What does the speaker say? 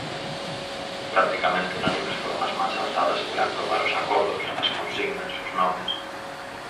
Practicamente unánimes foron as mans alzadas para aprobar os acordos, as consignas, os nomes.